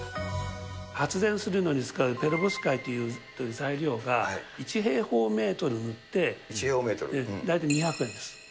発電するのに使うペロブスカイトの材料が１平方メートル塗って大体２００円です。